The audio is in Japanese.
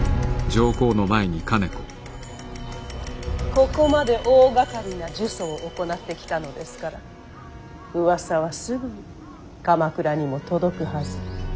ここまで大がかりな呪詛を行ってきたのですからうわさはすぐに鎌倉にも届くはず。